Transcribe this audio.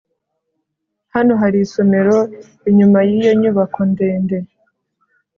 hano hari isomero inyuma yiyo nyubako ndende